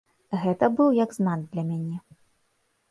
Гэта быў як знак для мяне.